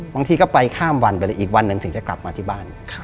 บางทีก็ไปข้ามวันไปเลยอีกวันหนึ่งถึงจะกลับมาที่บ้าน